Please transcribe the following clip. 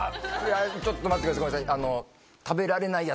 ちょっと待ってくださいごめんなさい。